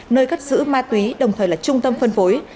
nơi cất giữ ma túy đồng thời là trung tâm phân phối